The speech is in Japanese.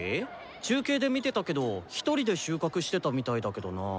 中継で見てたけどひとりで収穫してたみたいだけどな？